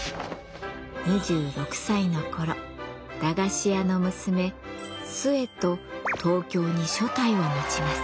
２６歳の頃駄菓子屋の娘寿衛と東京に所帯を持ちます。